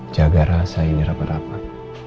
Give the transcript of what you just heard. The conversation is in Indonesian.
jaga rasa ini rapat rapat